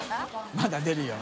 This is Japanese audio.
まだ出るよ」